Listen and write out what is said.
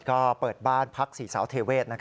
ก็เปิดบ้านพักศรีสาวเทเวศ